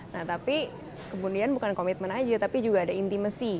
nah tapi kemudian bukan komitmen aja tapi juga ada intimacy